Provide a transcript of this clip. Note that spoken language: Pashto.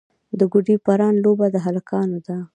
د ګوډي پران لوبه د هلکانو ده.